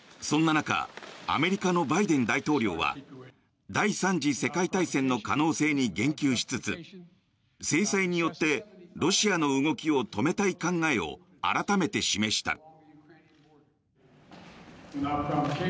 そんな中アメリカのバイデン大統領は第３次世界大戦の可能性に言及しつつ制裁によってロシアの動きを止めたい考えを改めて示した。